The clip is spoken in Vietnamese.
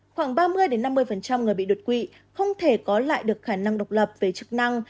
khoảng ba mươi năm mươi người bị đột quỵ không thể có lại được khả năng độc lập về chức năng